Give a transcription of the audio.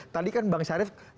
tadi kan bang syarif